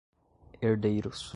herdeiros